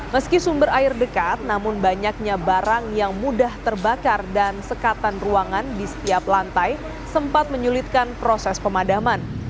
meski sumber air dekat namun banyaknya barang yang mudah terbakar dan sekatan ruangan di setiap lantai sempat menyulitkan proses pemadaman